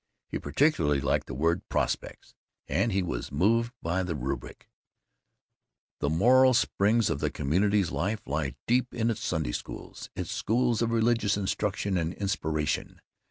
He particularly liked the word "prospects," and he was moved by the rubric: "The moral springs of the community's life lie deep in its Sunday Schools its schools of religious instruction and inspiration.